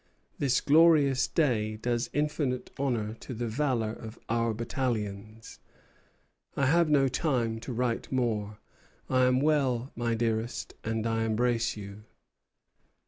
This glorious day does infinite honor to the valor of our battalions. I have no time to write more. I am well, my dearest, and I embrace you."